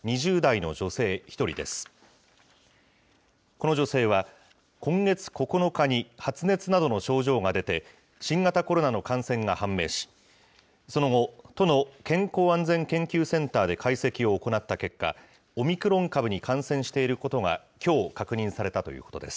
この女性は、今月９日に発熱などの症状が出て、新型コロナの感染が判明し、その後、都の健康安全研究センターで解析を行った結果、オミクロン株に感染していることがきょう確認されたということです。